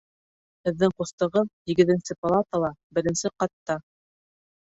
Һеҙҙең ҡустығыҙ һигеҙенсе палатала беренсе ҡатта.